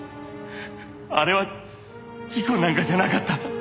あれは事故なんかじゃなかった。